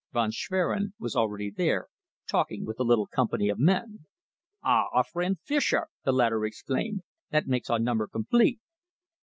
Von Schwerin was already there, talking with a little company of men. "Ah, our friend Fischer!" the latter exclaimed. "That makes our number complete."